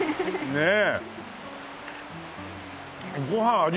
ねえ。